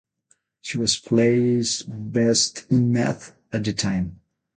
She was placed Best in Math at the time.